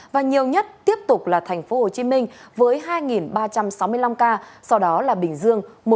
và nhiều nhất tiếp tục là tp hcm với hai ba trăm sáu mươi năm ca sau đó là bình dương một ba mươi hai ca